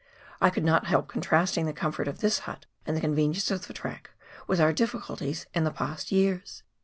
I could not help contrasting the comfort of this hut, and convenience of the track, with our difficulties in the past years.